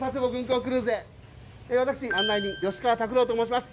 私案内人吉川拓朗と申します。